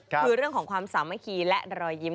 คือเรื่องของความสามัคคีและรอยยิ้ม